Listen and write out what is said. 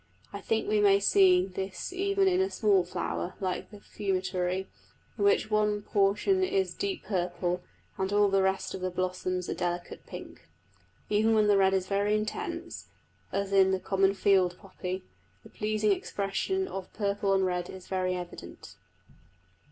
I think we may see this even in a small flower like the fumitory, in which one portion is deep purple and all the rest of the blossoms a delicate pink. Even when the red is very intense, as in the common field poppy, the pleasing expression of purple on red is very evident.